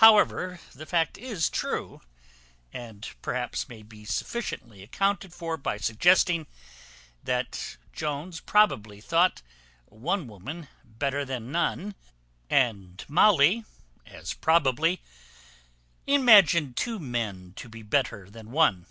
However, the fact is true; and perhaps may be sufficiently accounted for by suggesting, that Jones probably thought one woman better than none, and Molly as probably imagined two men to be better than one.